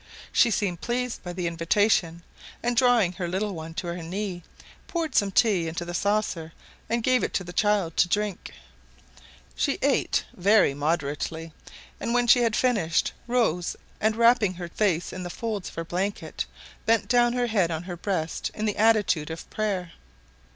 She seemed pleased by the invitation, and drawing her little one to her knee, poured some tea into the saucer, and gave it to the child to drink. She ate very moderately, and when she had finished, rose, and, wrapping her face in the folds of her blanket, bent down her head on her breast in the attitude of prayer.